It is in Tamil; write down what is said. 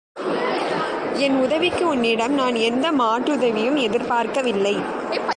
என் உதவிக்கு உன்னிடம் நான் எந்த மாற்றுதவியையும் எதிர்பார்க்கவில்லை.